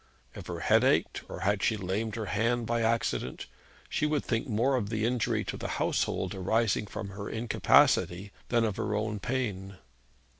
If her head ached, or had she lamed her hand by any accident, she would think more of the injury to the household arising from her incapacity than of her own pain.